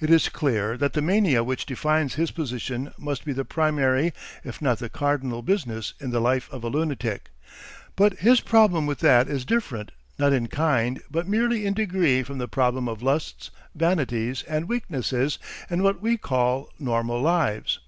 It is clear that the mania which defines his position must be the primary if not the cardinal business in the life of a lunatic, but his problem with that is different not in kind but merely in degree from the problem of lusts, vanities, and weaknesses in what we call normal lives.